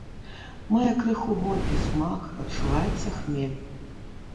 Мае крыху горкі смак, адчуваецца хмель.